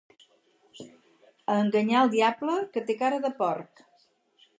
A enganyar el diable, que té cara de porc!